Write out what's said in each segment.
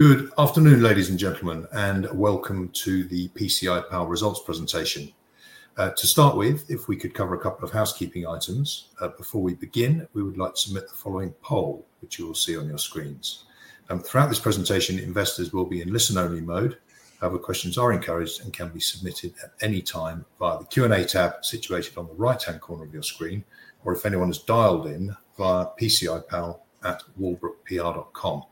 Good afternoon, ladies and gentlemen, and welcome to the PCI Pal results presentation. To start with, if we could cover a couple of housekeeping items before we begin, we would like to submit the following poll, which you will see on your screens. Throughout this presentation, investors will be in listen-only mode. However, questions are encouraged and can be submitted at any time via the Q&A tab situated on the right-hand corner of your screen, or if anyone has dialed in via pci-pal@walbrookpr.com.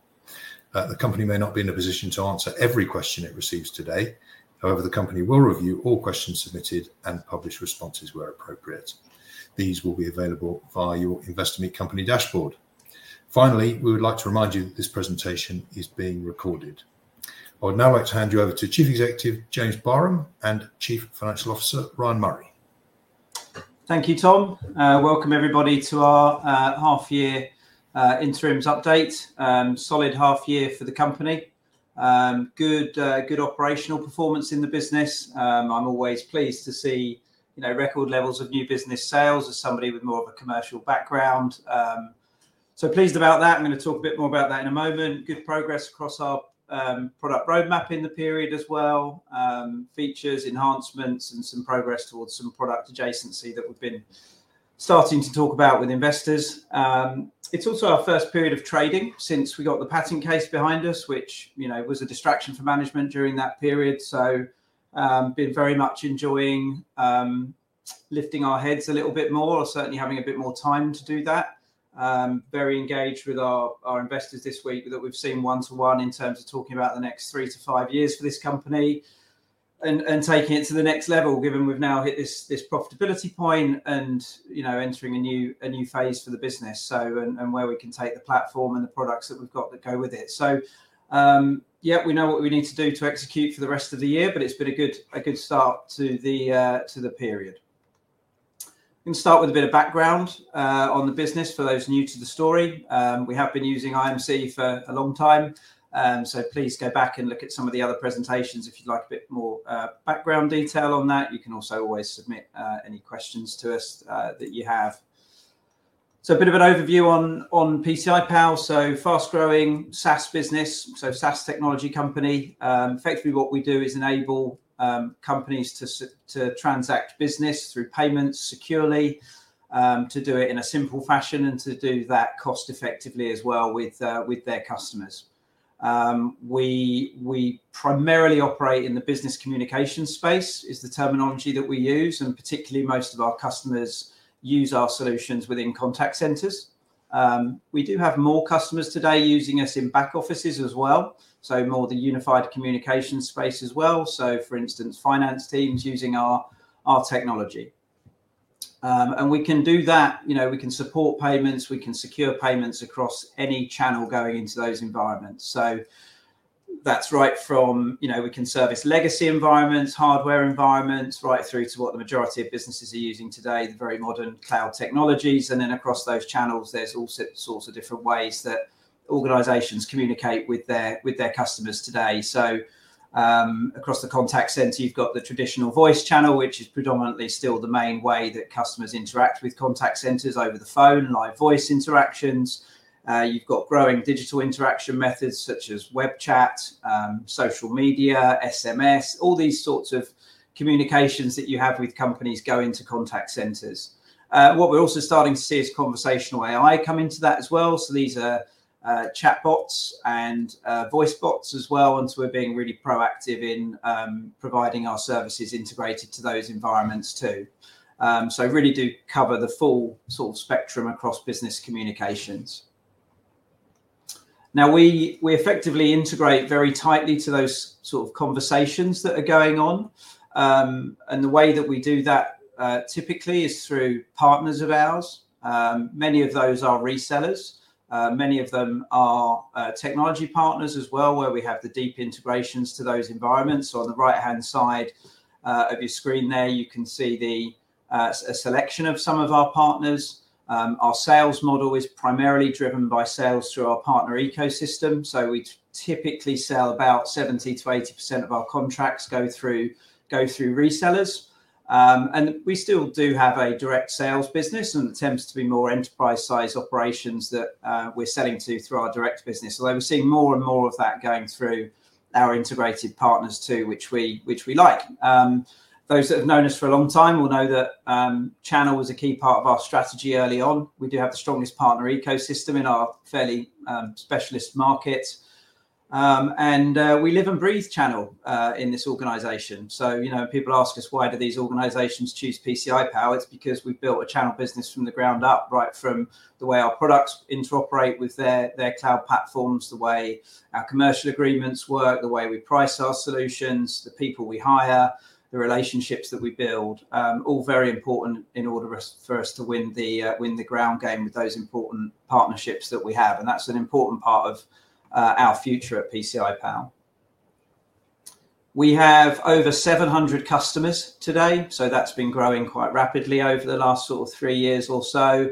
The company may not be in a position to answer every question it receives today. However, the company will review all questions submitted and publish responses where appropriate. These will be available via your Investor Meet Company dashboard. Finally, we would like to remind you that this presentation is being recorded. I would now like to hand you over to Chief Executive Officer James Barham and Chief Financial Officer Ryan Murray. Thank you, Tom. Welcome, everybody, to our half-year interim update. Solid half-year for the company. Good operational performance in the business. I'm always pleased to see record levels of new business sales as somebody with more of a commercial background. So pleased about that. I'm going to talk a bit more about that in a moment. Good progress across our product roadmap in the period as well. Features, enhancements, and some progress towards some product adjacency that we've been starting to talk about with investors. It's also our first period of trading since we got the patent case behind us, which was a distraction for management during that period. Been very much enjoying lifting our heads a little bit more, or certainly having a bit more time to do that. Very engaged with our investors this week that we've seen one-to-one in terms of talking about the next three to five years for this company and taking it to the next level, given we've now hit this profitability point and entering a new phase for the business and where we can take the platform and the products that we've got that go with it. Yeah, we know what we need to do to execute for the rest of the year, but it's been a good start to the period. I'm going to start with a bit of background on the business for those new to the story. We have been using IMC for a long time. Please go back and look at some of the other presentations if you'd like a bit more background detail on that. You can also always submit any questions to us that you have. A bit of an overview on PCI Pal. Fast-growing SaaS business, SaaS technology company. Effectively, what we do is enable companies to transact business through payments securely, to do it in a simple fashion, and to do that cost-effectively as well with their customers. We primarily operate in the business communications space, which is the terminology that we use, and particularly most of our customers use our solutions within contact centers. We do have more customers today using us in back offices as well, more of the unified communications space as well. For instance, finance teams using our technology. We can do that. We can support payments. We can secure payments across any channel going into those environments. That's right from we can service legacy environments, hardware environments, right through to what the majority of businesses are using today, the very modern cloud technologies. Across those channels, there's all sorts of different ways that organizations communicate with their customers today. Across the contact center, you've got the traditional voice channel, which is predominantly still the main way that customers interact with contact centers over the phone, live voice interactions. You've got growing digital interaction methods such as web chat, social media, SMS, all these sorts of communications that you have with companies going to contact centers. What we're also starting to see is conversational AI coming to that as well. These are chatbots and voice bots as well, and so we're being really proactive in providing our services integrated to those environments too. We really do cover the full spectrum across business communications. Now, we effectively integrate very tightly to those sort of conversations that are going on. The way that we do that typically is through partners of ours. Many of those are resellers. Many of them are technology partners as well, where we have the deep integrations to those environments. On the right-hand side of your screen there, you can see a selection of some of our partners. Our sales model is primarily driven by sales through our partner ecosystem. We typically sell about 70%-80% of our contracts go through resellers. We still do have a direct sales business and attempts to be more enterprise-sized operations that we're selling to through our direct business. Although we're seeing more and more of that going through our integrated partners too, which we like. Those that have known us for a long time will know that channel was a key part of our strategy early on. We do have the strongest partner ecosystem in our fairly specialist markets. We live and breathe channel in this organization. People ask us, why do these organizations choose PCI Pal? It's because we've built a channel business from the ground up, right from the way our products interoperate with their cloud platforms, the way our commercial agreements work, the way we price our solutions, the people we hire, the relationships that we build, all very important in order for us to win the ground game with those important partnerships that we have. That's an important part of our future at PCI Pal. We have over 700 customers today. That's been growing quite rapidly over the last sort of three years or so.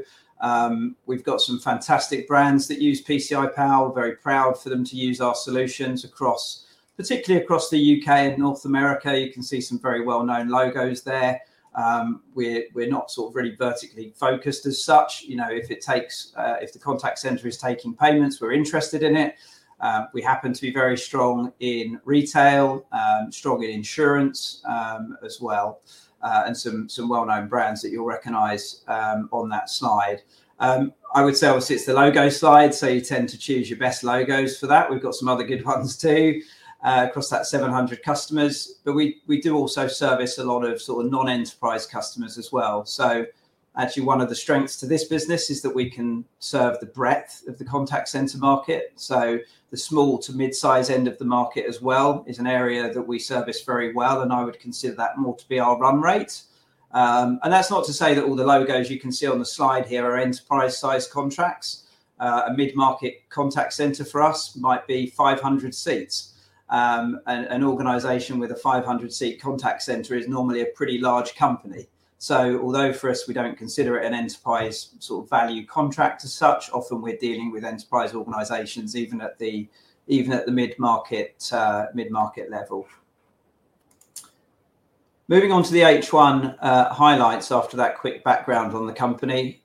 We've got some fantastic brands that use PCI Pal. We're very proud for them to use our solutions, particularly across the U.K. and North America. You can see some very well-known logos there. We're not sort of really vertically focused as such. If the contact center is taking payments, we're interested in it. We happen to be very strong in retail, strong in insurance as well, and some well-known brands that you'll recognize on that slide. I would say obviously it's the logo slide, so you tend to choose your best logos for that. We've got some other good ones too across that 700 customers. We do also service a lot of sort of non-enterprise customers as well. Actually, one of the strengths to this business is that we can serve the breadth of the contact center market. The small to mid-size end of the market as well is an area that we service very well, and I would consider that more to be our run rate. That's not to say that all the logos you can see on the slide here are enterprise-sized contracts. A mid-market contact center for us might be 500 seats. An organization with a 500-seat contact center is normally a pretty large company. Although for us, we don't consider it an enterprise sort of value contract as such, often we're dealing with enterprise organizations, even at the mid-market level. Moving on to the H1 highlights after that quick background on the company.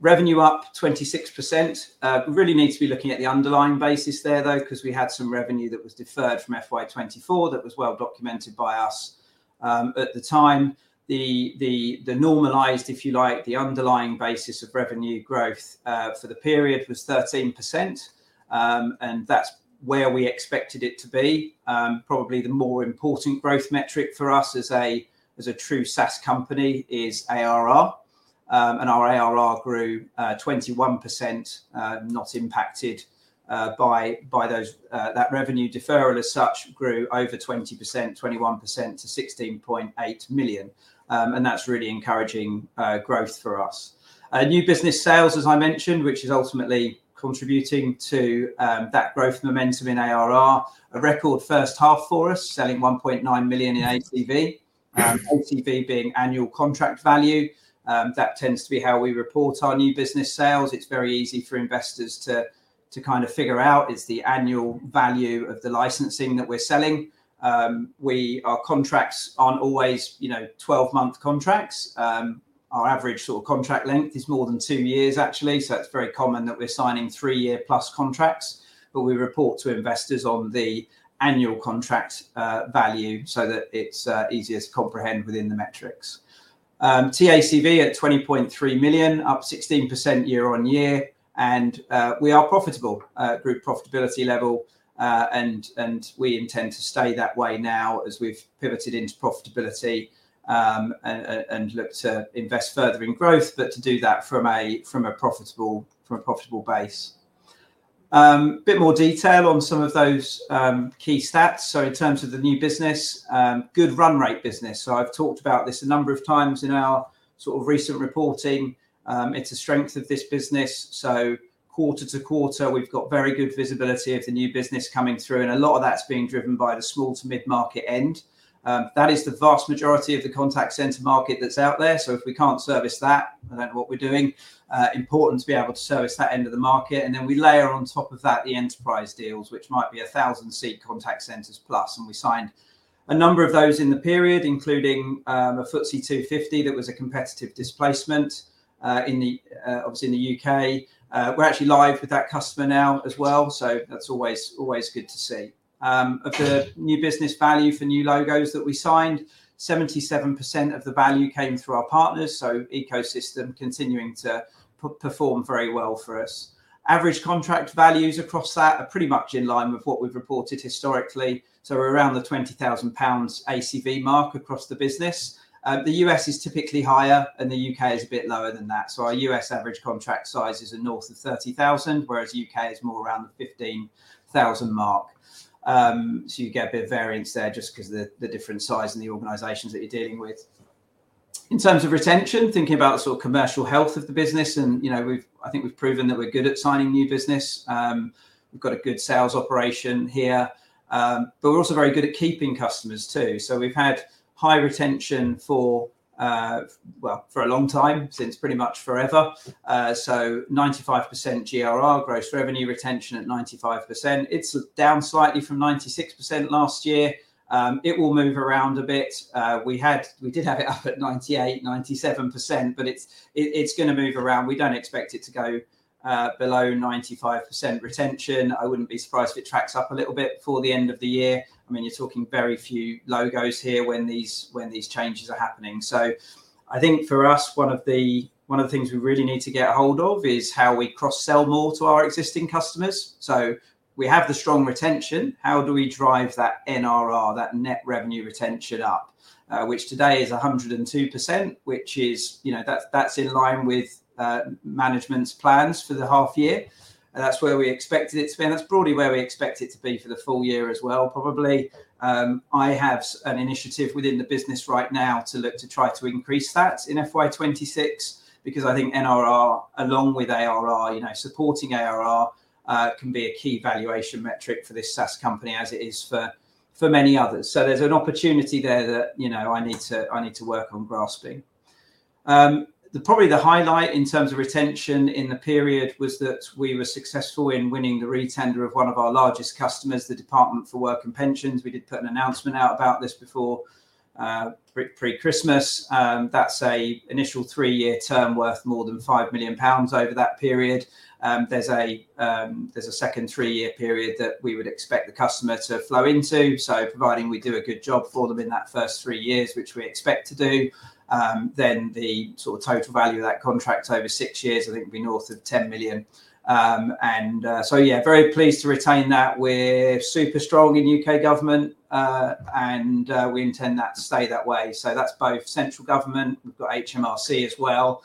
Revenue up 26%. We really need to be looking at the underlying basis there though, because we had some revenue that was deferred from FY2024 that was well documented by us at the time. The normalized, if you like, the underlying basis of revenue growth for the period was 13%. That is where we expected it to be. Probably the more important growth metric for us as a true SaaS company is ARR. Our ARR grew 21%, not impacted by that revenue deferral as such, grew over 20%, 21% to 16.8 million. That is really encouraging growth for us. New business sales, as I mentioned, which is ultimately contributing to that growth momentum in ARR. A record first half for us, selling 1.9 million in ACV. ACV being annual contract value. That tends to be how we report our new business sales. It is very easy for investors to kind of figure out is the annual value of the licensing that we are selling. Our contracts are not always 12-month contracts. Our average sort of contract length is more than two years, actually. It's very common that we're signing three-year-plus contracts. We report to investors on the annual contract value so that it's easier to comprehend within the metrics. TACV at 20.3 million, up 16% year on year. We are profitable, group profitability level. We intend to stay that way now as we've pivoted into profitability and look to invest further in growth, but to do that from a profitable base. A bit more detail on some of those key stats. In terms of the new business, good run rate business. I've talked about this a number of times in our sort of recent reporting. It's a strength of this business. Quarter to quarter, we've got very good visibility of the new business coming through. A lot of that's being driven by the small to mid-market end. That is the vast majority of the contact center market that is out there. If we cannot service that, I do not know what we are doing. It is important to be able to service that end of the market. We layer on top of that the enterprise deals, which might be 1,000-seat contact centers plus. We signed a number of those in the period, including a FTSE 250 that was a competitive displacement, obviously in the U.K. We are actually live with that customer now as well. That is always good to see. Of the new business value for new logos that we signed, 77% of the value came through our partners. The ecosystem is continuing to perform very well for us. Average contract values across that are pretty much in line with what we have reported historically. We are around the 20,000 pounds ACV mark across the business. The US is typically higher, and the U.K. is a bit lower than that. Our US average contract size is north of $30,000, whereas U.K. is more around the $15,000 mark. You get a bit of variance there just because of the different size and the organizations that you're dealing with. In terms of retention, thinking about the sort of commercial health of the business, and I think we've proven that we're good at signing new business. We've got a good sales operation here. We're also very good at keeping customers too. We've had high retention for, well, for a long time, since pretty much forever. 95% GRR, gross revenue retention at 95%. It's down slightly from 96% last year. It will move around a bit. We did have it up at 98-97%, but it's going to move around. We don't expect it to go below 95% retention. I wouldn't be surprised if it tracks up a little bit before the end of the year. I mean, you're talking very few logos here when these changes are happening. I think for us, one of the things we really need to get a hold of is how we cross-sell more to our existing customers. We have the strong retention. How do we drive that NRR, that net revenue retention up, which today is 102%, which is in line with management's plans for the half year. That's where we expected it to be. That's probably where we expect it to be for the full year as well, probably. I have an initiative within the business right now to look to try to increase that in FY2026, because I think NRR, along with ARR, supporting ARR can be a key valuation metric for this SaaS company as it is for many others. There is an opportunity there that I need to work on grasping. Probably the highlight in terms of retention in the period was that we were successful in winning the retender of one of our largest customers, the Department for Work and Pensions. We did put an announcement out about this before pre-Christmas. That is an initial three-year term worth more than 5 million pounds over that period. There is a second three-year period that we would expect the customer to flow into. Providing we do a good job for them in that first three years, which we expect to do, then the sort of total value of that contract over six years I think would be north of 10 million. Yeah, very pleased to retain that. We're super strong in U.K. government, and we intend that to stay that way. That's both central government. We've got HMRC as well.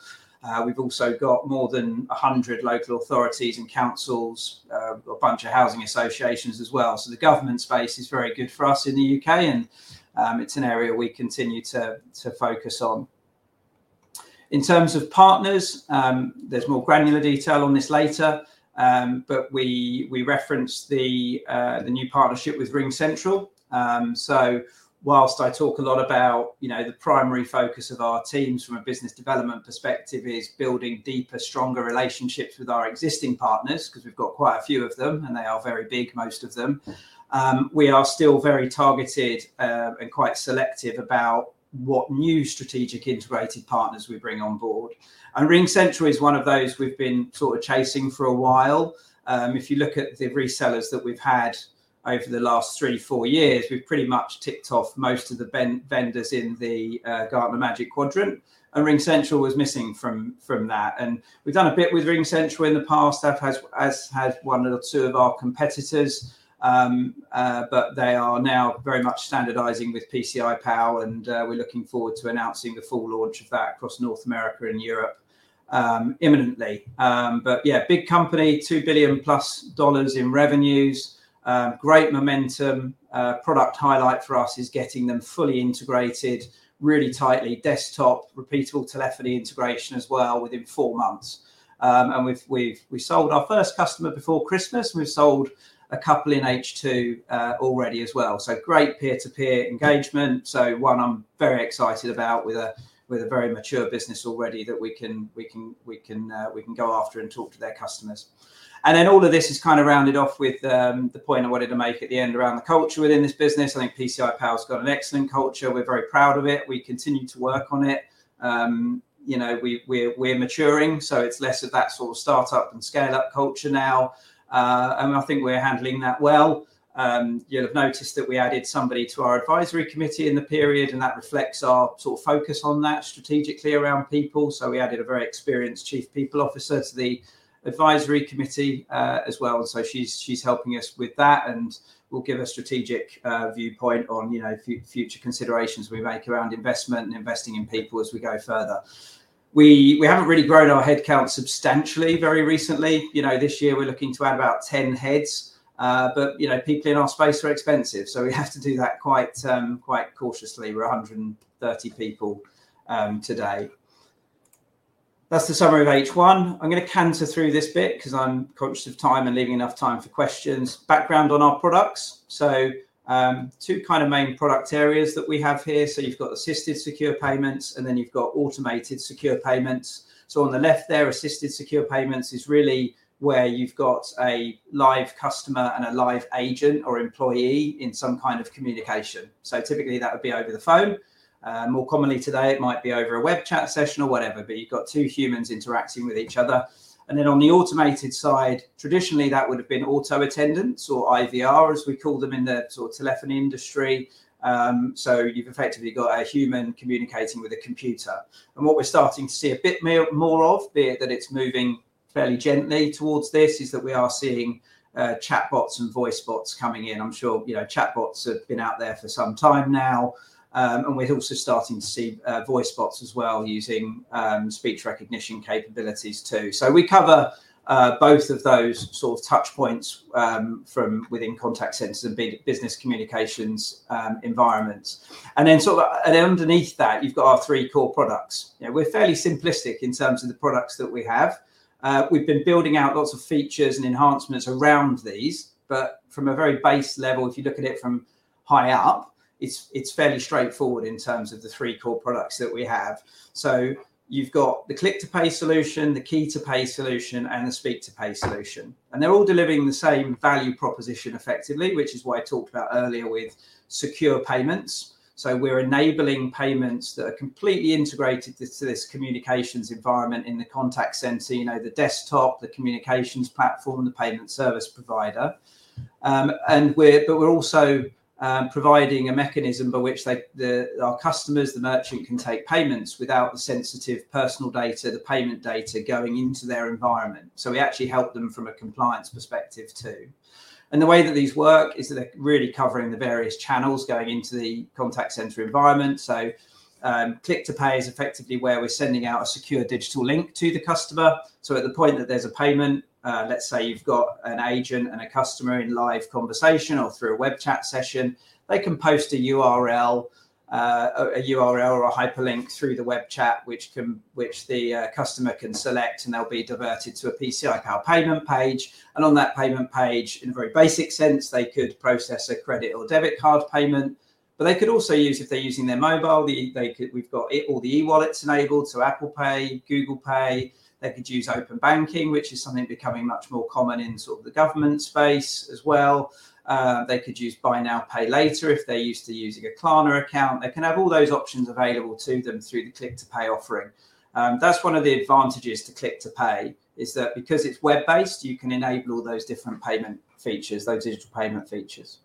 We've also got more than 100 local authorities and councils. We've got a bunch of housing associations as well. The government space is very good for us in the U.K., and it's an area we continue to focus on. In terms of partners, there's more granular detail on this later. We referenced the new partnership with RingCentral. Whilst I talk a lot about the primary focus of our teams from a business development perspective is building deeper, stronger relationships with our existing partners, because we've got quite a few of them, and they are very big, most of them, we are still very targeted and quite selective about what new strategic integrated partners we bring on board. RingCentral is one of those we've been sort of chasing for a while. If you look at the resellers that we've had over the last three, four years, we've pretty much ticked off most of the vendors in the Gartner Magic Quadrant. RingCentral was missing from that. We've done a bit with RingCentral in the past. That has had one or two of our competitors, but they are now very much standardizing with PCI Pal, and we're looking forward to announcing the full launch of that across North America and Europe imminently. Yeah, big company, $2 billion-plus in revenues, great momentum. Product highlight for us is getting them fully integrated, really tightly, desktop, repeatable telephony integration as well within four months. We've sold our first customer before Christmas, and we've sold a couple in H2 already as well. Great peer-to-peer engagement. One I'm very excited about with a very mature business already that we can go after and talk to their customers. All of this is kind of rounded off with the point I wanted to make at the end around the culture within this business. I think PCI Pal has got an excellent culture. We're very proud of it. We continue to work on it. We're maturing. It is less of that sort of startup and scale-up culture now. I think we're handling that well. You'll have noticed that we added somebody to our advisory committee in the period, and that reflects our sort of focus on that strategically around people. We added a very experienced Chief People Officer to the advisory committee as well. She is helping us with that and will give a strategic viewpoint on future considerations we make around investment and investing in people as we go further. We haven't really grown our headcount substantially very recently. This year, we're looking to add about 10 heads. People in our space are expensive, so we have to do that quite cautiously. We're 130 people today. That is the summary of H1. I'm going to canter through this bit because I'm conscious of time and leaving enough time for questions. Background on our products. Two kind of main product areas that we have here. You've got Assisted Secure Payments, and then you've got Automated Secure Payments. On the left there, Assisted Secure Payments is really where you've got a live customer and a live agent or employee in some kind of communication. Typically, that would be over the phone. More commonly today, it might be over a web chat session or whatever, but you've got two humans interacting with each other. On the automated side, traditionally, that would have been auto-attendant or IVR, as we call them in the sort of telephony industry. You've effectively got a human communicating with a computer. What we're starting to see a bit more of, be it that it's moving fairly gently towards this, is that we are seeing chatbots and voice bots coming in. I'm sure chatbots have been out there for some time now. We're also starting to see voice bots as well using speech recognition capabilities too. We cover both of those sort of touchpoints from within contact centers and business communications environments. Underneath that, you've got our three core products. We're fairly simplistic in terms of the products that we have. We've been building out lots of features and enhancements around these. From a very base level, if you look at it from high up, it's fairly straightforward in terms of the three core products that we have. You've got the Click to Pay solution, the Key to Pay solution, and the Speak to Pay solution. They are all delivering the same value proposition effectively, which is what I talked about earlier with secure payments. We are enabling payments that are completely integrated to this communications environment in the contact center, the desktop, the communications platform, the payment service provider. We are also providing a mechanism by which our customers, the merchant, can take payments without the sensitive personal data, the payment data going into their environment. We actually help them from a compliance perspective too. The way that these work is that they are really covering the various channels going into the contact center environment. Click to Pay is effectively where we are sending out a secure digital link to the customer. At the point that there's a payment, let's say you've got an agent and a customer in live conversation or through a web chat session, they can post a URL or a hyperlink through the web chat, which the customer can select, and they'll be diverted to a PCI Pal payment page. On that payment page, in a very basic sense, they could process a credit or debit card payment. They could also use, if they're using their mobile, we've got all the e-wallets enabled, so Apple Pay, Google Pay. They could use open banking, which is something becoming much more common in sort of the government space as well. They could use buy now, pay later if they're used to using a Klarna account. They can have all those options available to them through the Click to Pay offering. That's one of the advantages to Click to Pay is that because it's web-based, you can enable all those different payment features, those digital payment features.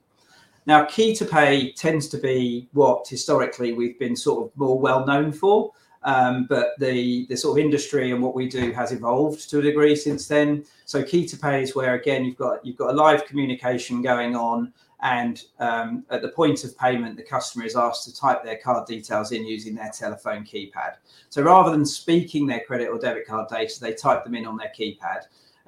Now, Key to Pay tends to be what historically we've been sort of more well-known for. The sort of industry and what we do has evolved to a degree since then. Key to Pay is where, again, you've got a live communication going on, and at the point of payment, the customer is asked to type their card details in using their telephone keypad. Rather than speaking their credit or debit card data, they type them in on their keypad.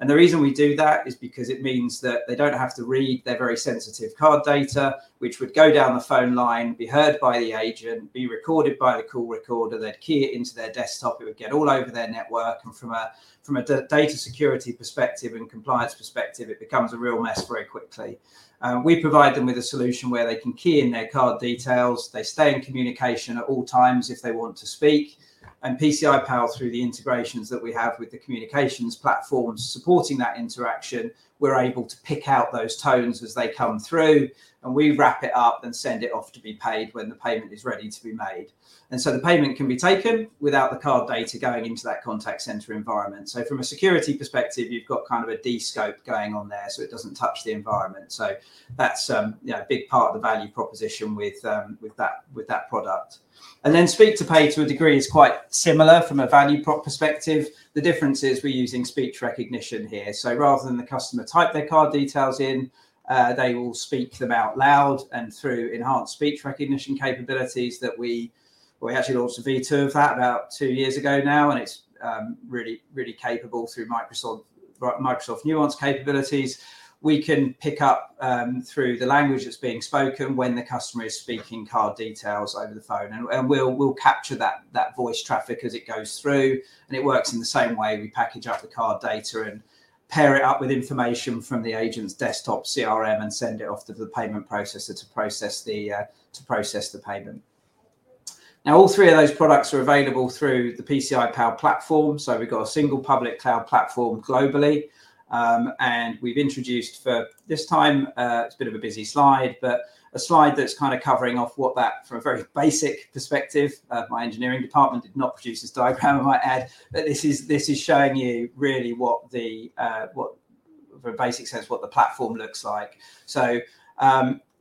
The reason we do that is because it means that they don't have to read their very sensitive card data, which would go down the phone line, be heard by the agent, be recorded by the call recorder, then key it into their desktop. It would get all over their network. From a data security perspective and compliance perspective, it becomes a real mess very quickly. We provide them with a solution where they can key in their card details. They stay in communication at all times if they want to speak. PCI Pal, through the integrations that we have with the communications platforms supporting that interaction, is able to pick out those tones as they come through, and we wrap it up and send it off to be paid when the payment is ready to be made. The payment can be taken without the card data going into that contact center environment. From a security perspective, you've got kind of a descope going on there so it doesn't touch the environment. That's a big part of the value proposition with that product. Speak to pay to a degree is quite similar from a value perspective. The difference is we're using speech recognition here. Rather than the customer type their card details in, they will speak them out loud. Through enhanced speech recognition capabilities that we actually launched a V2 of about two years ago now, and it's really capable through Microsoft Nuance capabilities. We can pick up through the language that's being spoken when the customer is speaking card details over the phone. We'll capture that voice traffic as it goes through. It works in the same way. We package up the card data and pair it up with information from the agent's desktop CRM and send it off to the payment processor to process the payment. All three of those products are available through the PCI Pal platform. We've got a single public cloud platform globally. We've introduced for this time, it's a bit of a busy slide, but a slide that's kind of covering off what that, from a very basic perspective, my engineering department did not produce this diagram. I might add that this is showing you really what, from a basic sense, what the platform looks like.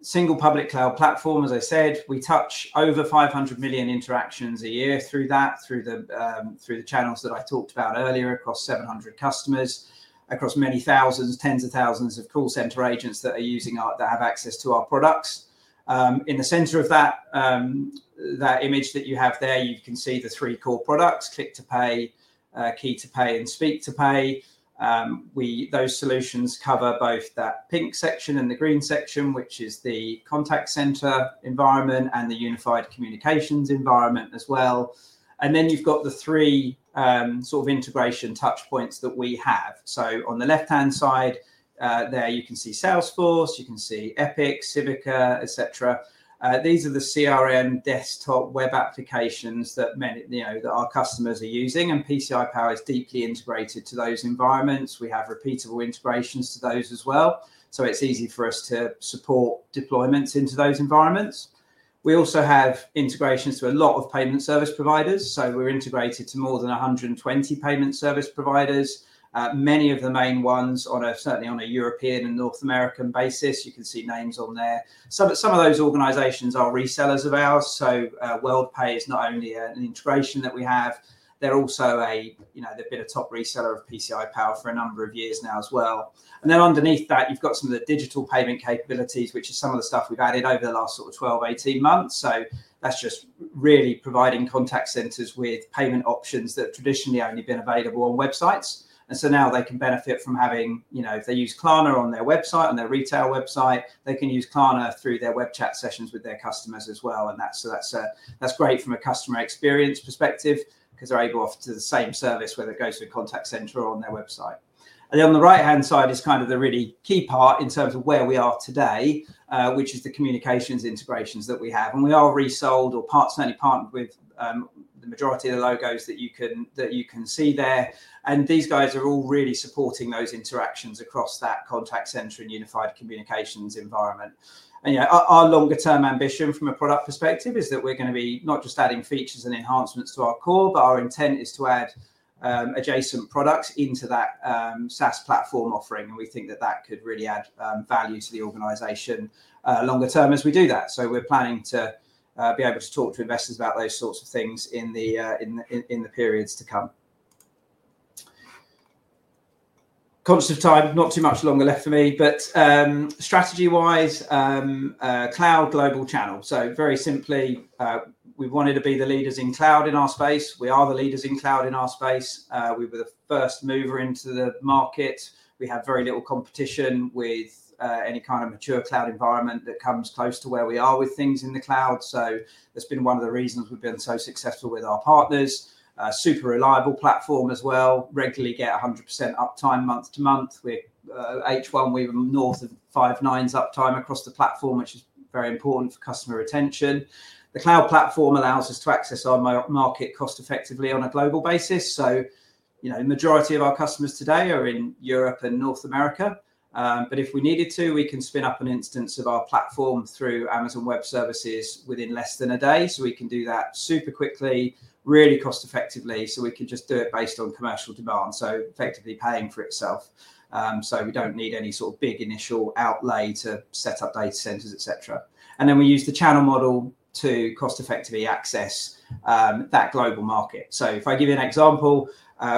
Single public cloud platform, as I said, we touch over 500 million interactions a year through that, through the channels that I talked about earlier across 700 customers, across many thousands, tens of thousands of call center agents that have access to our products. In the center of that image that you have there, you can see the three core products: Click to Pay, Key to Pay, and Speak to Pay. Those solutions cover both that pink section and the green section, which is the contact center environment and the unified communications environment as well. You have the three sort of integration touchpoints that we have. On the left-hand side there, you can see Salesforce. You can see Epic, Civica, etc. These are the CRM desktop web applications that our customers are using. PCI Pal is deeply integrated to those environments. We have repeatable integrations to those as well. It is easy for us to support deployments into those environments. We also have integrations to a lot of payment service providers. We are integrated to more than 120 payment service providers, many of the main ones certainly on a European and North American basis. You can see names on there. Some of those organizations are resellers of ours. Worldpay is not only an integration that we have. They're also a bit of top reseller of PCI Pal for a number of years now as well. Then underneath that, you've got some of the digital payment capabilities, which is some of the stuff we've added over the last sort of 12-18 months. That's just really providing contact centers with payment options that have traditionally only been available on websites. Now they can benefit from having, if they use Klarna on their website and their retail website, they can use Klarna through their web chat sessions with their customers as well. That's great from a customer experience perspective because they're able to offer the same service whether it goes to a contact center or on their website. On the right-hand side is kind of the really key part in terms of where we are today, which is the communications integrations that we have. We are resold or certainly partnered with the majority of the logos that you can see there. These guys are all really supporting those interactions across that contact center and unified communications environment. Our longer-term ambition from a product perspective is that we're going to be not just adding features and enhancements to our core, but our intent is to add adjacent products into that SaaS platform offering. We think that that could really add value to the organization longer term as we do that. We are planning to be able to talk to investors about those sorts of things in the periods to come. Conscious of time, not too much longer left for me. Strategy-wise, cloud, global channel. Very simply, we wanted to be the leaders in cloud in our space. We are the leaders in cloud in our space. We were the first mover into the market. We have very little competition with any kind of mature cloud environment that comes close to where we are with things in the cloud. That has been one of the reasons we have been so successful with our partners. Super reliable platform as well. Regularly get 100% uptime month to month. H1, we were north of five nines uptime across the platform, which is very important for customer retention. The cloud platform allows us to access our market cost-effectively on a global basis. The majority of our customers today are in Europe and North America. If we needed to, we can spin up an instance of our platform through Amazon Web Services within less than a day. We can do that super quickly, really cost-effectively. We can just do it based on commercial demand, effectively paying for itself. We do not need any sort of big initial outlay to set up data centers, etc. We use the channel model to cost-effectively access that global market. If I give you an example,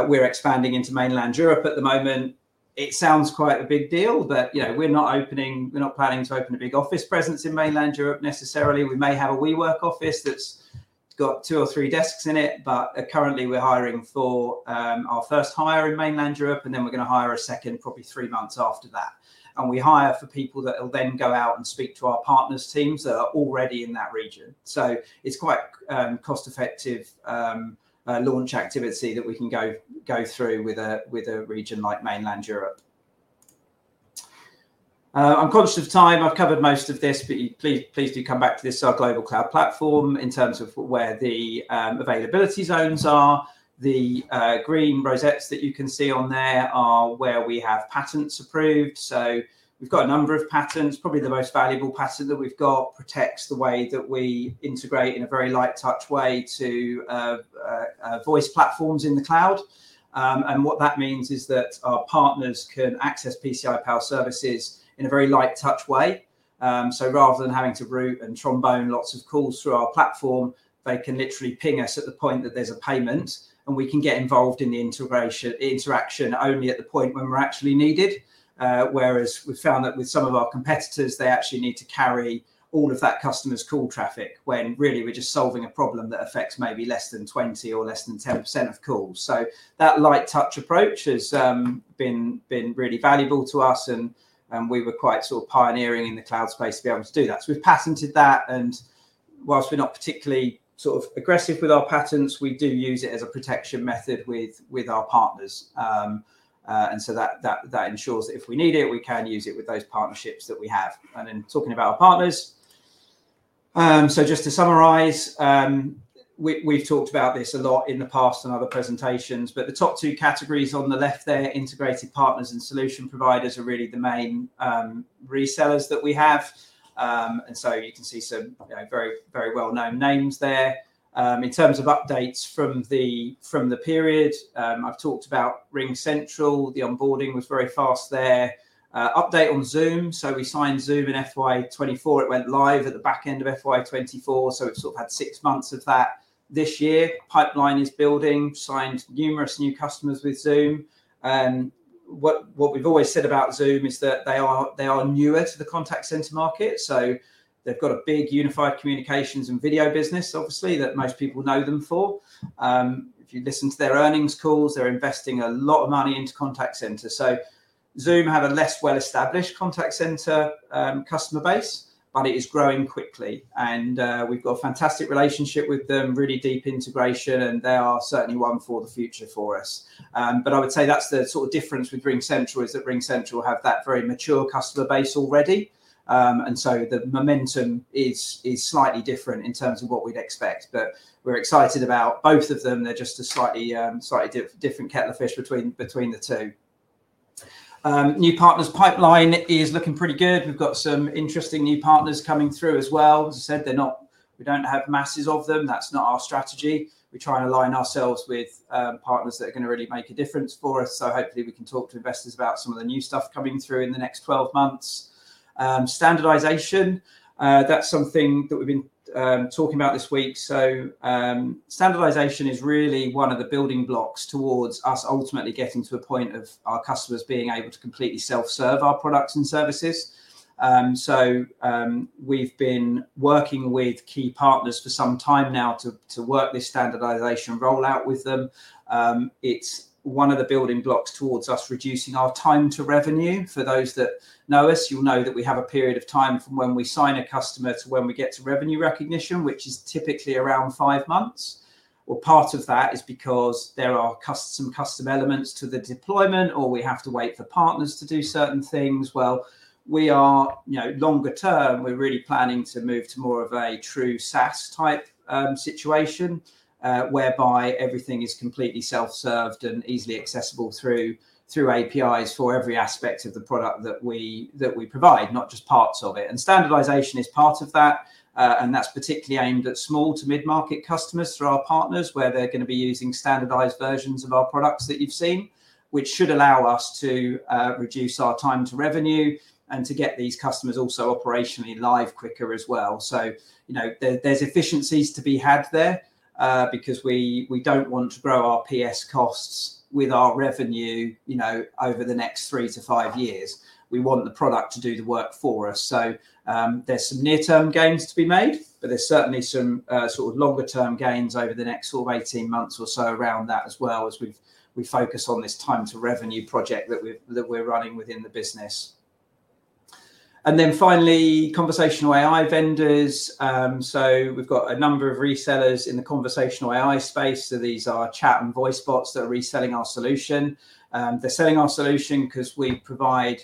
we are expanding into mainland Europe at the moment. It sounds quite a big deal, but we are not planning to open a big office presence in mainland Europe necessarily. We may have a WeWork office that has two or three desks in it, but currently, we are hiring for our first hire in mainland Europe, and then we are going to hire a second probably three months after that. We hire for people that will then go out and speak to our partners' teams that are already in that region. It is quite cost-effective launch activity that we can go through with a region like mainland Europe. I'm conscious of time. I've covered most of this, but please do come back to this. Our global cloud platform in terms of where the availability zones are. The green rosettes that you can see on there are where we have patents approved. We have a number of patents. Probably the most valuable patent that we have protects the way that we integrate in a very light touch way to voice platforms in the cloud. What that means is that our partners can access PCI Pal services in a very light touch way. Rather than having to route and trombone lots of calls through our platform, they can literally ping us at the point that there's a payment, and we can get involved in the interaction only at the point when we're actually needed. Whereas we've found that with some of our competitors, they actually need to carry all of that customer's call traffic when really we're just solving a problem that affects maybe less than 20% or less than 10% of calls. That light touch approach has been really valuable to us, and we were quite sort of pioneering in the cloud space to be able to do that. We've patented that. Whilst we're not particularly sort of aggressive with our patents, we do use it as a protection method with our partners. That ensures that if we need it, we can use it with those partnerships that we have. Talking about our partners, just to summarize, we've talked about this a lot in the past and other presentations, but the top two categories on the left there, integrated partners and solution providers, are really the main resellers that we have. You can see some very well-known names there. In terms of updates from the period, I've talked about RingCentral. The onboarding was very fast there. Update on Zoom. We signed Zoom in FY2024. It went live at the back end of FY2024. We've sort of had six months of that this year. Pipeline is building. Signed numerous new customers with Zoom. What we've always said about Zoom is that they are newer to the contact center market. They've got a big unified communications and video business, obviously, that most people know them for. If you listen to their earnings calls, they're investing a lot of money into contact centers. Zoom had a less well-established contact center customer base, but it is growing quickly. We've got a fantastic relationship with them, really deep integration, and they are certainly one for the future for us. I would say that's the sort of difference with RingCentral is that RingCentral have that very mature customer base already. The momentum is slightly different in terms of what we'd expect. We're excited about both of them. They're just a slightly different kettle of fish between the two. New partners pipeline is looking pretty good. We've got some interesting new partners coming through as well. As I said, we don't have masses of them. That's not our strategy. We try and align ourselves with partners that are going to really make a difference for us. Hopefully, we can talk to investors about some of the new stuff coming through in the next 12 months. Standardization, that's something that we've been talking about this week. Standardization is really one of the building blocks towards us ultimately getting to a point of our customers being able to completely self-serve our products and services. We have been working with key partners for some time now to work this standardization rollout with them. It's one of the building blocks towards us reducing our time to revenue. For those that know us, you'll know that we have a period of time from when we sign a customer to when we get to revenue recognition, which is typically around five months. Part of that is because there are some custom elements to the deployment, or we have to wait for partners to do certain things. We are longer term. We're really planning to move to more of a true SaaS-type situation whereby everything is completely self-served and easily accessible through APIs for every aspect of the product that we provide, not just parts of it. Standardization is part of that. That's particularly aimed at small to mid-market customers through our partners where they're going to be using standardized versions of our products that you've seen, which should allow us to reduce our time to revenue and to get these customers also operationally live quicker as well. There are efficiencies to be had there because we don't want to grow our PS costs with our revenue over the next three to five years. We want the product to do the work for us. There are some near-term gains to be made, but there are certainly some longer-term gains over the next 18 months or so around that as well as we focus on this time to revenue project that we are running within the business. Finally, conversational AI vendors. We have a number of resellers in the conversational AI space. These are chat and voice bots that are reselling our solution. They are selling our solution because we provide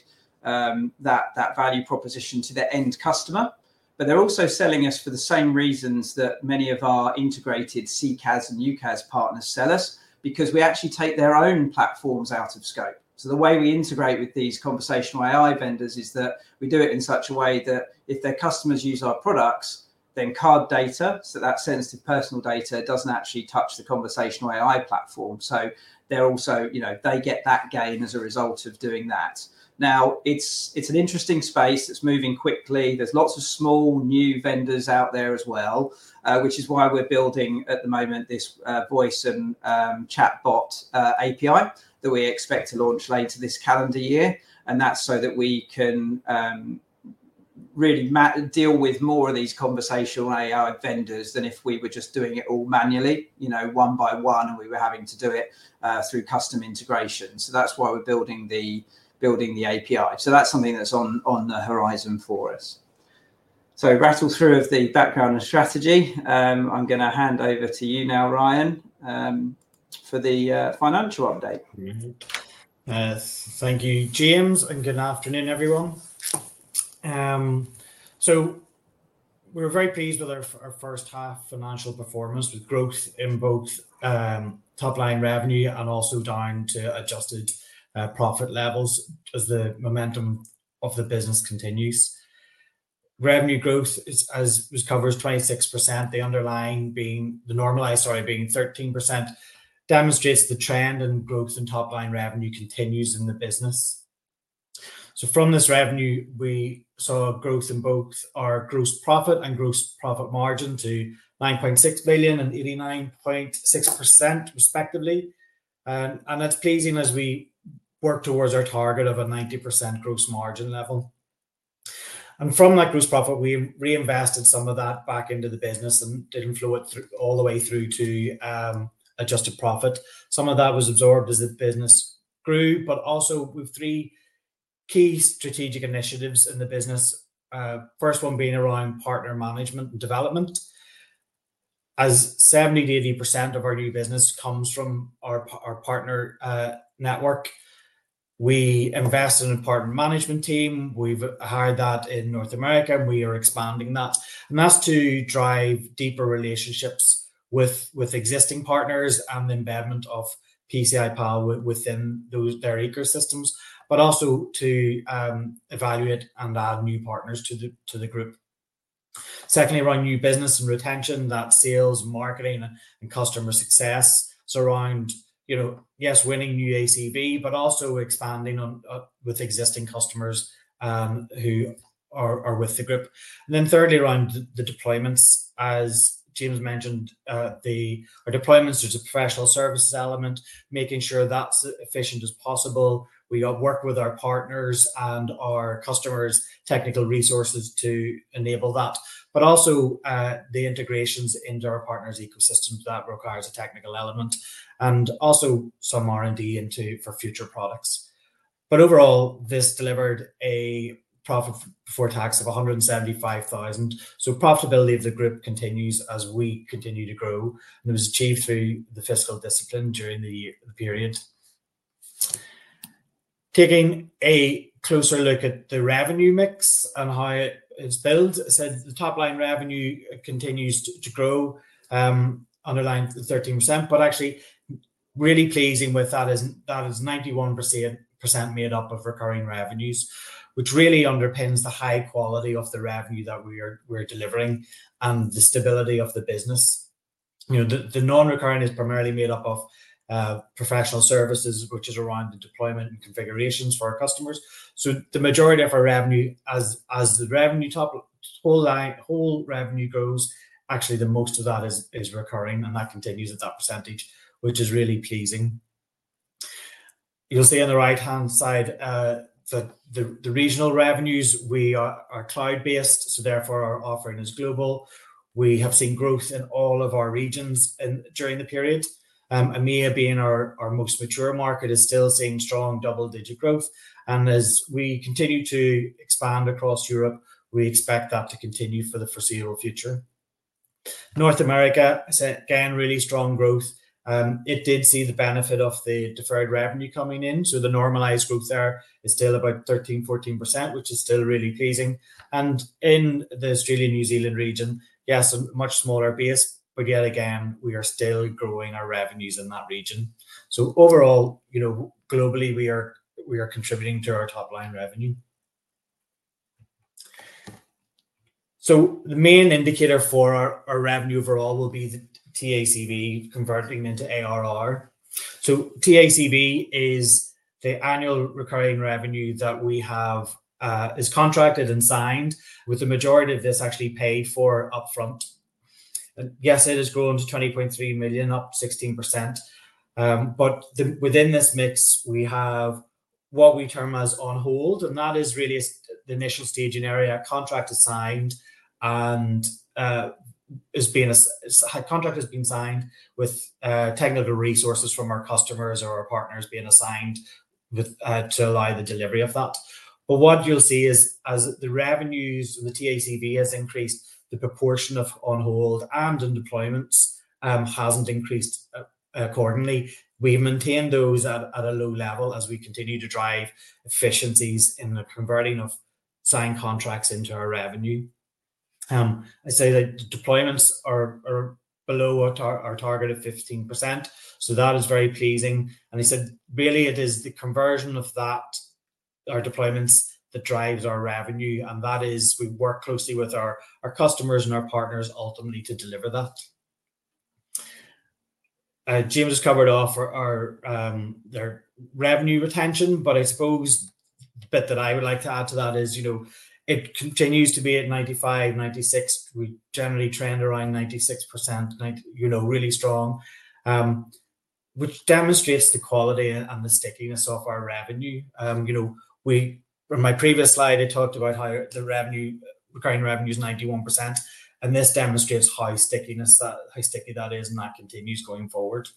that value proposition to the end customer. They are also selling us for the same reasons that many of our integrated CCaaS and UCaaS partners sell us because we actually take their own platforms out of scope. The way we integrate with these conversational AI vendors is that we do it in such a way that if their customers use our products, then card data, so that sensitive personal data, does not actually touch the conversational AI platform. They get that gain as a result of doing that. It is an interesting space. It is moving quickly. There are lots of small new vendors out there as well, which is why we are building at the moment this voice and chatbot API that we expect to launch later this calendar year. That is so that we can really deal with more of these conversational AI vendors than if we were just doing it all manually, one by one, and we were having to do it through custom integration. That is why we are building the API. That is something that is on the horizon for us. Rattled through of the background and strategy. I'm going to hand over to you now, Ryan, for the financial update. Thank you, James. Good afternoon, everyone. We're very pleased with our first-half financial performance with growth in both top-line revenue and also down to adjusted profit levels as the momentum of the business continues. Revenue growth covers 26%, the normalized, sorry, being 13%, demonstrates the trend and growth in top-line revenue continues in the business. From this revenue, we saw growth in both our gross profit and gross profit margin to 9.6 million and 89.6%, respectively. That's pleasing as we work towards our target of a 90% gross margin level. From that gross profit, we reinvested some of that back into the business and didn't flow it all the way through to adjusted profit. Some of that was absorbed as the business grew, but also with three key strategic initiatives in the business. The first one being around partner management and development. As 70%-80% of our new business comes from our partner network, we invest in a partner management team. We've hired that in North America, and we are expanding that. That is to drive deeper relationships with existing partners and the embedment of PCI Pal within their ecosystems, but also to evaluate and add new partners to the group. Secondly, around new business and retention, that is sales, marketing, and customer success. Around, yes, winning new ACV, but also expanding with existing customers who are with the group. Thirdly, around the deployments. As James mentioned, our deployments, there is a professional services element, making sure that is as efficient as possible. We work with our partners and our customers' technical resources to enable that, but also the integrations into our partners' ecosystems. That requires a technical element and also some R&D for future products. Overall, this delivered a profit before tax of 175,000. Profitability of the group continues as we continue to grow, and it was achieved through the fiscal discipline during the period. Taking a closer look at the revenue mix and how it is built, I said the top-line revenue continues to grow, underlying 13%, but actually really pleasing with that is 91% made up of recurring revenues, which really underpins the high quality of the revenue that we're delivering and the stability of the business. The non-recurring is primarily made up of professional services, which is around the deployment and configurations for our customers. The majority of our revenue, as the revenue top whole revenue grows, actually most of that is recurring, and that continues at that percentage, which is really pleasing. You'll see on the right-hand side the regional revenues. We are cloud-based, so therefore our offering is global. We have seen growth in all of our regions during the period. EMEA, being our most mature market, is still seeing strong double-digit growth. As we continue to expand across Europe, we expect that to continue for the foreseeable future. North America, again, really strong growth. It did see the benefit of the deferred revenue coming in. The normalized growth there is still about 13%-14%, which is still really pleasing. In the Australia-New Zealand region, yes, a much smaller base, but yet again, we are still growing our revenues in that region. Overall, globally, we are contributing to our top-line revenue. The main indicator for our revenue overall will be the TACV converting into ARR. TACV is the annual recurring revenue that we have contracted and signed, with the majority of this actually paid for upfront. Yes, it has grown to 20.3 million, up 16%. Within this mix, we have what we term as on hold, and that is really the initial staging area. A contract is signed, and a contract has been signed with technical resources from our customers or our partners being assigned to allow the delivery of that. What you'll see is, as the revenues and the TACV has increased, the proportion of on hold and in deployments hasn't increased accordingly. We maintain those at a low level as we continue to drive efficiencies in the converting of signed contracts into our revenue. I say that deployments are below our target of 15%. That is very pleasing. I said, really, it is the conversion of our deployments that drives our revenue. That is we work closely with our customers and our partners ultimately to deliver that. James has covered off their revenue retention, but I suppose the bit that I would like to add to that is it continues to be at 95-96%. We generally trend around 96%, really strong, which demonstrates the quality and the stickiness of our revenue. On my previous slide, I talked about how the recurring revenue is 91%, and this demonstrates how sticky that is, and that continues going forward.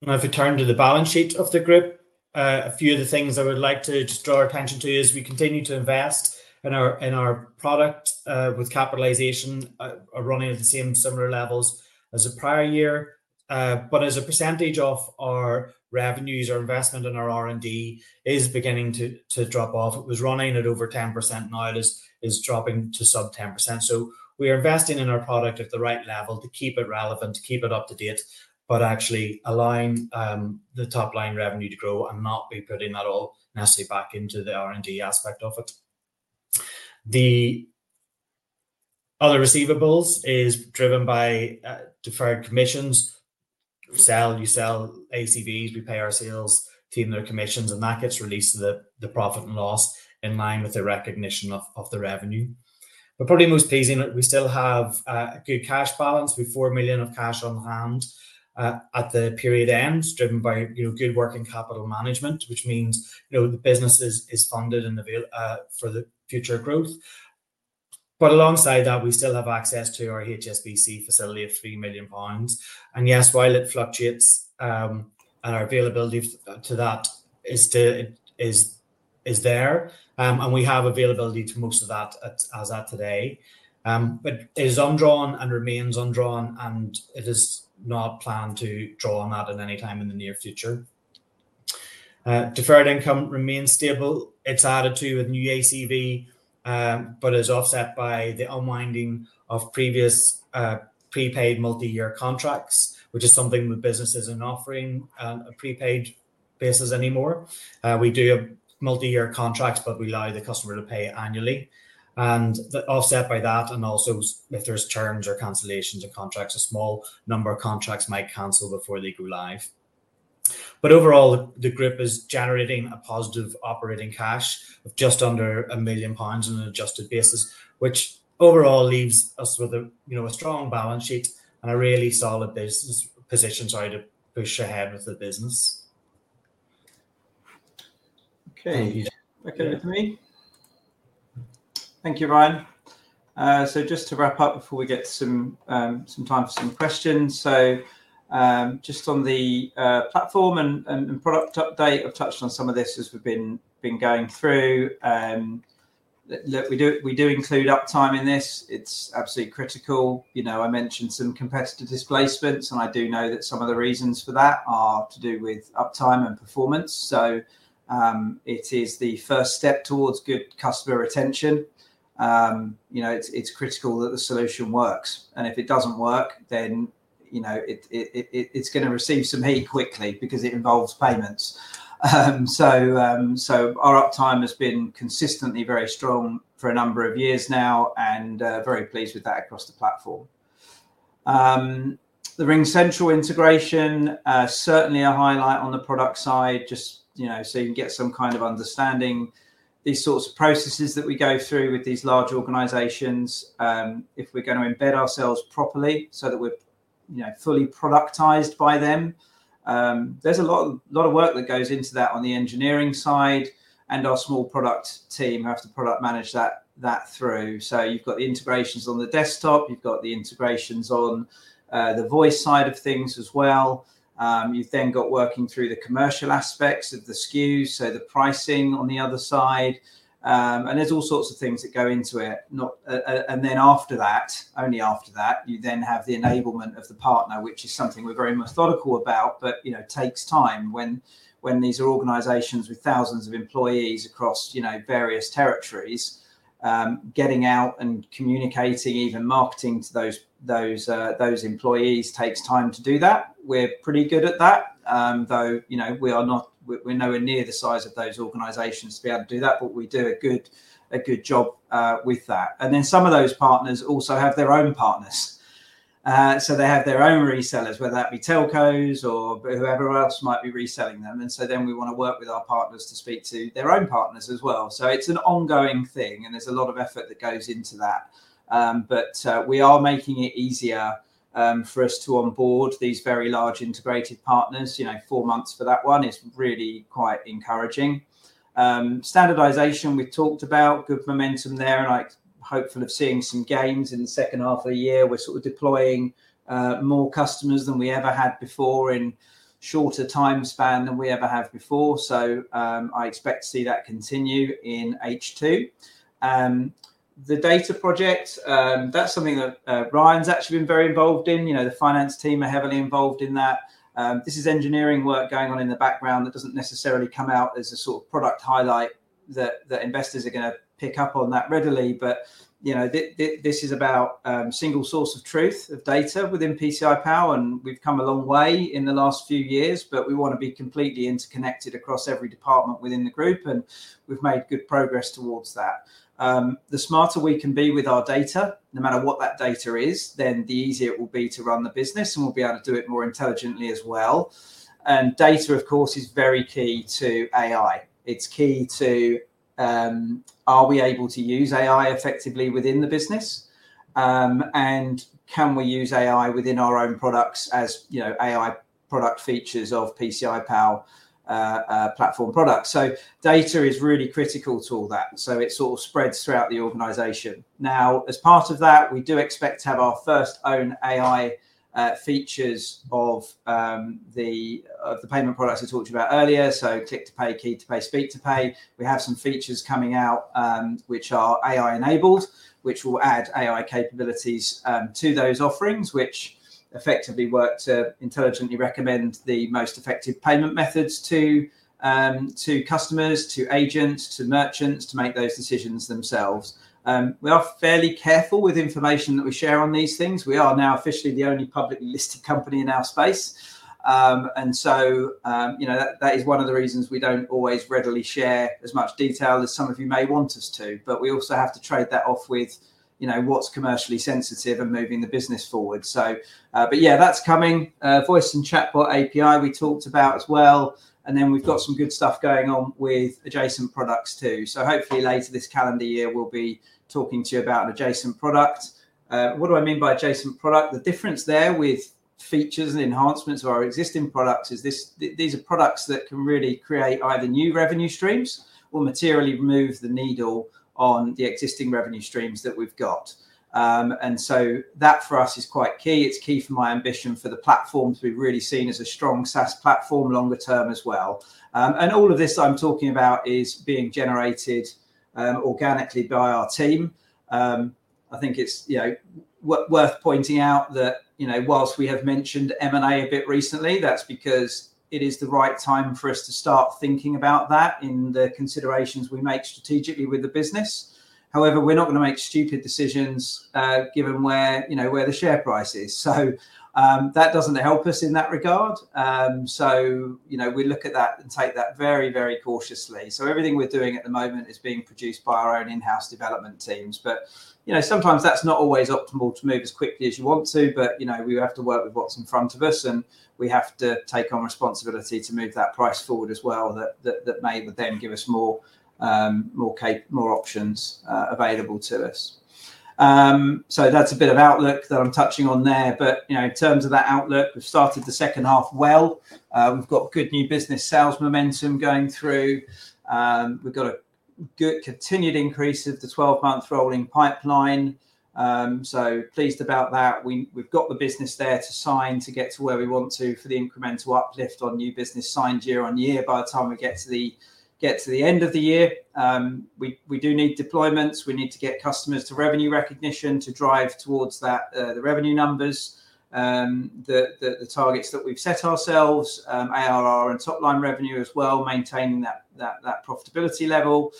Now, if we turn to the balance sheet of the group, a few of the things I would like to just draw our attention to is we continue to invest in our product with capitalization running at the same similar levels as the prior year. As a percentage of our revenues, our investment, and our R&D is beginning to drop off, it was running at over 10%, and now it is dropping to sub 10%. We are investing in our product at the right level to keep it relevant, to keep it up to date, but actually allowing the top-line revenue to grow and not be putting that all necessarily back into the R&D aspect of it. The other receivables is driven by deferred commissions. We sell, you sell ACVs. We pay our sales team their commissions, and that gets released to the profit and loss in line with the recognition of the revenue. Probably most pleasing, we still have a good cash balance. We have 4 million of cash on hand at the period end, driven by good working capital management, which means the business is funded for the future growth. Alongside that, we still have access to our HSBC facility of 3 million pounds. While it fluctuates, our availability to that is there, and we have availability to most of that as of today. It is undrawn and remains undrawn, and it is not planned to draw on that at any time in the near future. Deferred income remains stable. It's added to with new ACV, but it's offset by the unwinding of previous prepaid multi-year contracts, which is something the business isn't offering on a prepaid basis anymore. We do have multi-year contracts, but we allow the customer to pay annually. That offsets by that, and also if there's terms or cancellations of contracts, a small number of contracts might cancel before they go live. Overall, the group is generating a positive operating cash of just under 1 million pounds on an adjusted basis, which overall leaves us with a strong balance sheet and a really solid position to push ahead with the business. Okay. Okay with me. Thank you, Ryan. Just to wrap up before we get some time for some questions. Just on the platform and product update, I've touched on some of this as we've been going through. We do include uptime in this. It's absolutely critical. I mentioned some competitor displacements, and I do know that some of the reasons for that are to do with uptime and performance. It is the first step towards good customer retention. It's critical that the solution works. If it doesn't work, then it's going to receive some heat quickly because it involves payments. Our uptime has been consistently very strong for a number of years now, and very pleased with that across the platform. The RingCentral integration, certainly a highlight on the product side, just so you can get some kind of understanding. These sorts of processes that we go through with these large organizations, if we're going to embed ourselves properly so that we're fully productized by them, there's a lot of work that goes into that on the engineering side, and our small product team has to product manage that through. You have the integrations on the desktop. You have the integrations on the voice side of things as well. You then have working through the commercial aspects of the SKUs, so the pricing on the other side. There are all sorts of things that go into it. After that, only after that, you then have the enablement of the partner, which is something we're very methodical about, but takes time when these are organizations with thousands of employees across various territories. Getting out and communicating, even marketing to those employees takes time to do that. We're pretty good at that, though we are nowhere near the size of those organizations to be able to do that, but we do a good job with that. Some of those partners also have their own partners. They have their own resellers, whether that be telcos or whoever else might be reselling them. We want to work with our partners to speak to their own partners as well. It is an ongoing thing, and there is a lot of effort that goes into that. We are making it easier for us to onboard these very large integrated partners. Four months for that one is really quite encouraging. Standardization, we've talked about, good momentum there, and I'm hopeful of seeing some gains in the second half of the year. We're sort of deploying more customers than we ever had before in a shorter time span than we ever have before. I expect to see that continue in H2. The data project, that's something that Ryan's actually been very involved in. The finance team are heavily involved in that. This is engineering work going on in the background that doesn't necessarily come out as a sort of product highlight that investors are going to pick up on that readily. This is about single source of truth of data within PCI Pal, and we've come a long way in the last few years, but we want to be completely interconnected across every department within the group, and we've made good progress towards that. The smarter we can be with our data, no matter what that data is, then the easier it will be to run the business, and we'll be able to do it more intelligently as well. Data, of course, is very key to AI. It's key to, are we able to use AI effectively within the business? Can we use AI within our own products as AI product features of PCI Pal platform products? Data is really critical to all that. It sort of spreads throughout the organization. Now, as part of that, we do expect to have our first own AI features of the payment products I talked about earlier, so Click to Pay, Key to Pay, Speak to Pay. We have some features coming out which are AI-enabled, which will add AI capabilities to those offerings, which effectively work to intelligently recommend the most effective payment methods to customers, to agents, to merchants, to make those decisions themselves. We are fairly careful with information that we share on these things. We are now officially the only publicly listed company in our space. That is one of the reasons we do not always readily share as much detail as some of you may want us to. We also have to trade that off with what is commercially sensitive and moving the business forward. Yeah, that is coming. Voice and chatbot API we talked about as well. We have got some good stuff going on with adjacent products too. Hopefully later this calendar year, we will be talking to you about an adjacent product. What do I mean by adjacent product? The difference there with features and enhancements of our existing products is these are products that can really create either new revenue streams or materially move the needle on the existing revenue streams that we've got. That for us is quite key. It's key for my ambition for the platform to be really seen as a strong SaaS platform longer term as well. All of this I'm talking about is being generated organically by our team. I think it's worth pointing out that whilst we have mentioned M&A a bit recently, that's because it is the right time for us to start thinking about that in the considerations we make strategically with the business. However, we're not going to make stupid decisions given where the share price is. That doesn't help us in that regard. We look at that and take that very, very cautiously. Everything we're doing at the moment is being produced by our own in-house development teams. Sometimes that's not always optimal to move as quickly as you want to, but we have to work with what's in front of us, and we have to take on responsibility to move that price forward as well. That may then give us more options available to us. That's a bit of outlook that I'm touching on there. In terms of that outlook, we've started the second half well. We've got good new business sales momentum going through. We've got a good continued increase of the 12-month rolling pipeline. Pleased about that. We've got the business there to sign to get to where we want to for the incremental uplift on new business signed year on year by the time we get to the end of the year. We do need deployments. We need to get customers to revenue recognition to drive towards the revenue numbers, the targets that we've set ourselves, ARR and top-line revenue as well, maintaining that profitability level.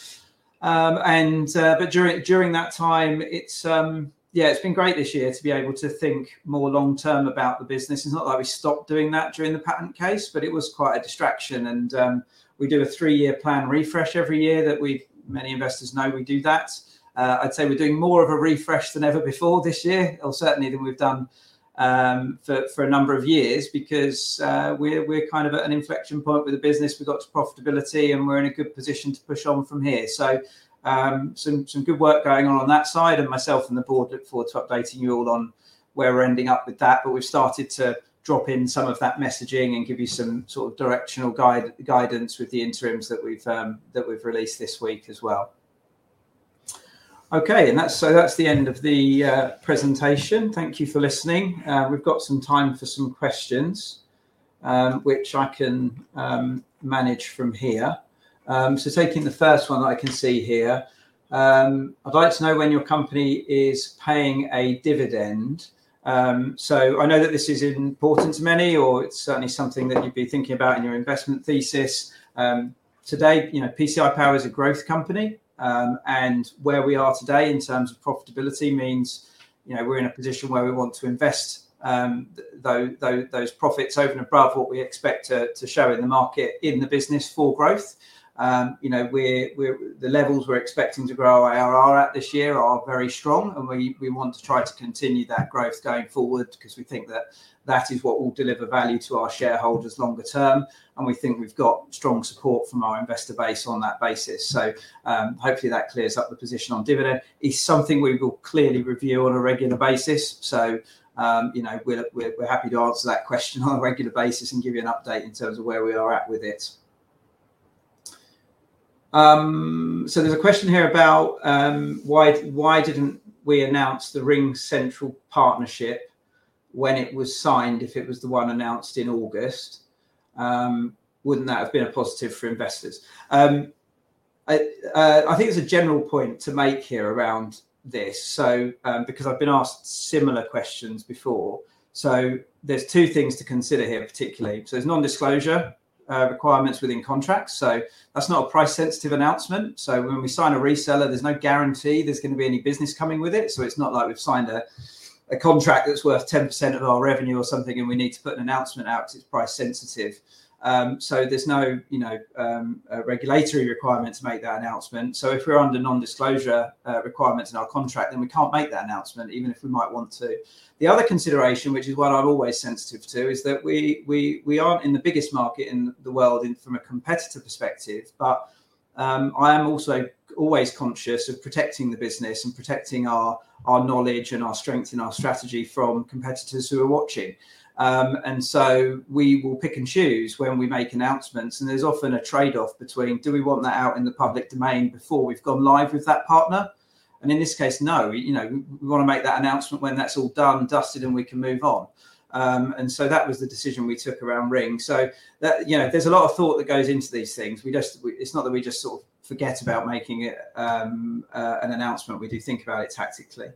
During that time, yeah, it's been great this year to be able to think more long-term about the business. It's not like we stopped doing that during the patent case, but it was quite a distraction. We do a three-year plan refresh every year that many investors know we do that. I'd say we're doing more of a refresh than ever before this year, or certainly than we've done for a number of years because we're kind of at an inflection point with the business. We got to profitability, and we're in a good position to push on from here. Some good work going on on that side. Myself and the board look forward to updating you all on where we're ending up with that. We've started to drop in some of that messaging and give you some sort of directional guidance with the interims that we've released this week as well. Okay. That's the end of the presentation. Thank you for listening. We've got some time for some questions, which I can manage from here. Taking the first one that I can see here, I'd like to know when your company is paying a dividend. I know that this is important to many, or it's certainly something that you'd be thinking about in your investment thesis. Today, PCI Pal is a growth company. Where we are today in terms of profitability means we're in a position where we want to invest those profits over and above what we expect to show in the market in the business for growth. The levels we're expecting to grow our ARR at this year are very strong, and we want to try to continue that growth going forward because we think that that is what will deliver value to our shareholders longer term. We think we've got strong support from our investor base on that basis. Hopefully that clears up the position on dividend. It's something we will clearly review on a regular basis. We're happy to answer that question on a regular basis and give you an update in terms of where we are at with it. There's a question here about why didn't we announce the RingCentral partnership when it was signed if it was the one announced in August? Wouldn't that have been a positive for investors? I think there's a general point to make here around this because I've been asked similar questions before. There are two things to consider here, particularly. There are non-disclosure requirements within contracts. That's not a price-sensitive announcement. When we sign a reseller, there's no guarantee there's going to be any business coming with it. It is not like we have signed a contract that is worth 10% of our revenue or something, and we need to put an announcement out because it is price-sensitive. There is no regulatory requirement to make that announcement. If we are under non-disclosure requirements in our contract, then we cannot make that announcement, even if we might want to. The other consideration, which is what I am always sensitive to, is that we are not in the biggest market in the world from a competitor perspective, but I am also always conscious of protecting the business and protecting our knowledge and our strength and our strategy from competitors who are watching. We will pick and choose when we make announcements. There is often a trade-off between do we want that out in the public domain before we have gone live with that partner? In this case, no. We want to make that announcement when that's all done, dusted, and we can move on. That was the decision we took around RingCentral. There's a lot of thought that goes into these things. It's not that we just sort of forget about making an announcement. We do think about it tactically.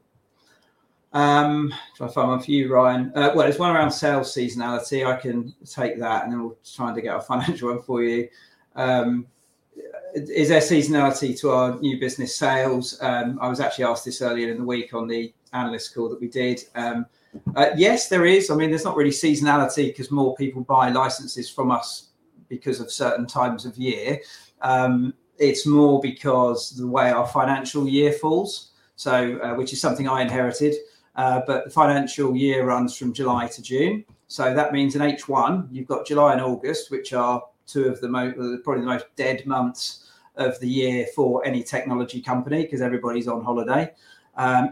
Trying to find one for you, Ryan. There's one around sales seasonality. I can take that, and then we'll try to get a financial one for you. Is there seasonality to our new business sales? I was actually asked this earlier in the week on the analyst call that we did. Yes, there is. I mean, there's not really seasonality because more people buy licenses from us because of certain times of year. It's more because the way our financial year falls, which is something I inherited. The financial year runs from July to June. That means in H1, you've got July and August, which are two of probably the most dead months of the year for any technology company because everybody's on holiday.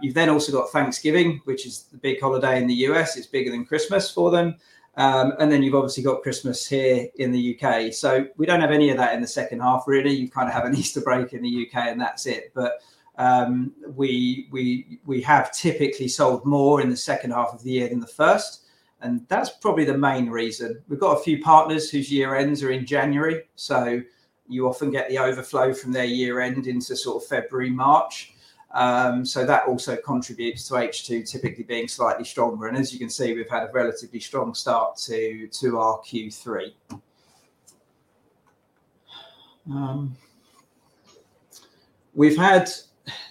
You've then also got Thanksgiving, which is the big holiday in the U.S. It's bigger than Christmas for them. You've obviously got Christmas here in the U.K. We don't have any of that in the second half, really. You kind of have an Easter break in the U.K., and that's it. We have typically sold more in the second half of the year than the first. That's probably the main reason. We've got a few partners whose year-ends are in January. You often get the overflow from their year-end into sort of February, March. That also contributes to H2 typically being slightly stronger. As you can see, we've had a relatively strong start to our Q3. There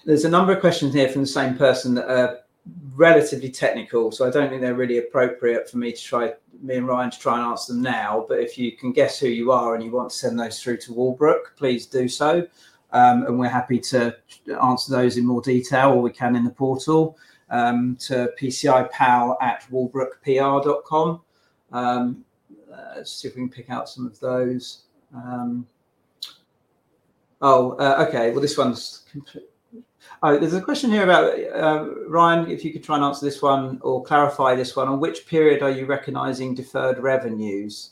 are a number of questions here from the same person that are relatively technical. I don't think they're really appropriate for me and Ryan to try and answer them now. If you can guess who you are and you want to send those through to Walbrook, please do so. We're happy to answer those in more detail or we can in the portal to pci-pal@walbrookpr.com. Let's see if we can pick out some of those. Okay. This one's complete. There's a question here about Ryan, if you could try and answer this one or clarify this one. On which period are you recognizing deferred revenues?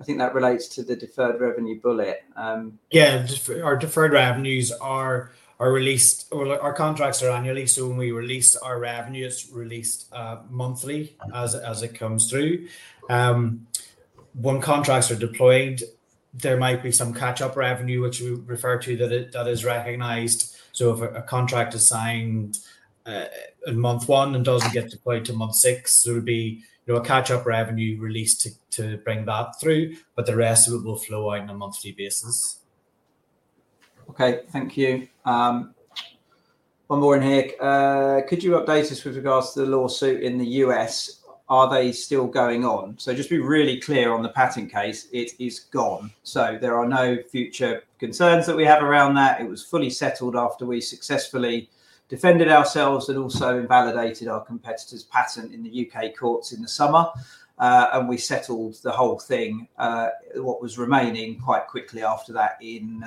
I think that relates to the deferred revenue bullet. Yeah. Our deferred revenues are released or our contracts are annually. When we release our revenue, it's released monthly as it comes through. When contracts are deployed, there might be some catch-up revenue, which we refer to that is recognized. If a contract is signed in month one and doesn't get deployed to month six, there would be a catch-up revenue released to bring that through. The rest of it will flow out on a monthly basis. Okay. Thank you. One more in here. Could you update us with regards to the lawsuit in the U.S.? Are they still going on? Just to be really clear on the patent case. It is gone. There are no future concerns that we have around that. It was fully settled after we successfully defended ourselves and also invalidated our competitor's patent in the U.K. courts in the summer. We settled the whole thing, what was remaining quite quickly after that in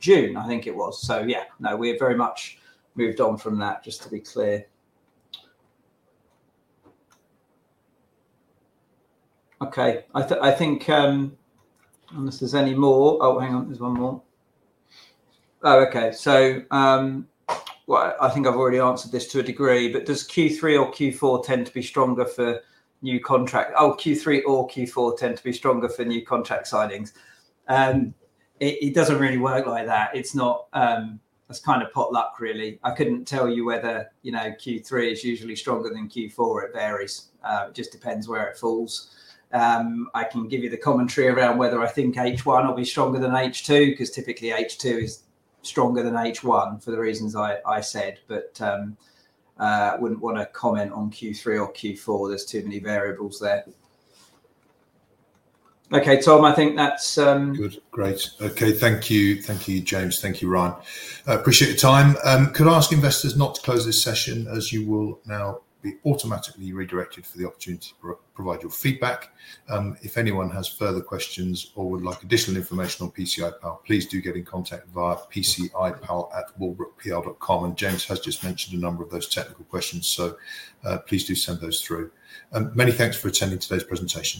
June, I think it was. Yeah, no, we have very much moved on from that, just to be clear. Okay. I think unless there's any more—oh, hang on. There's one more. Okay. I think I've already answered this to a degree. Does Q3 or Q4 tend to be stronger for new contract—oh, Q3 or Q4 tend to be stronger for new contract signings. It doesn't really work like that. That's kind of potluck, really. I couldn't tell you whether Q3 is usually stronger than Q4. It varies. It just depends where it falls. I can give you the commentary around whether I think H1 will be stronger than H2 because typically H2 is stronger than H1 for the reasons I said. I would not want to comment on Q3 or Q4. There are too many variables there. Okay. Tom, I think that is good. Great. Okay. Thank you. Thank you, James. Thank you, Ryan. Appreciate your time. Could I ask investors not to close this session as you will now be automatically redirected for the opportunity to provide your feedback? If anyone has further questions or would like additional information on PCI Pal, please do get in contact via pci-pal@walbrookpr.com. James has just mentioned a number of those technical questions. Please do send those through. Many thanks for attending today's presentation.